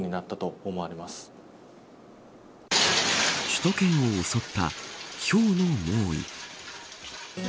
首都圏を襲ったひょうの猛威。